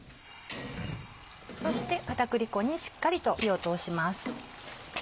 そして片栗粉にしっかりと火を通します。